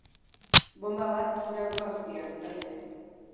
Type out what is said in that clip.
Bonba bat zure auto azpian, erne.